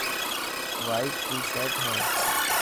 وائٽ ٽي شرٽ هي.